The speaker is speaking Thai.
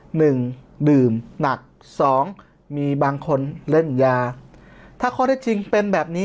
หนึ่งดื่มหนักสองมีบางคนเล่นยาถ้าข้อได้จริงเป็นแบบนี้